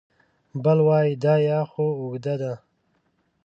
بل وای دا یا خو اوږده ده